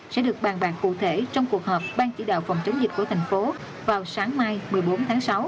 sẽ được bàn bạc cụ thể trong cuộc họp ban chỉ đạo phòng chống dịch của thành phố vào sáng mai một mươi bốn tháng sáu